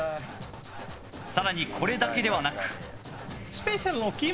更に、これだけではなく。